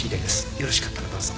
よろしかったらどうぞ。